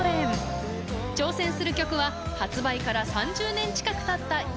挑戦する曲は発売から３０年近くたった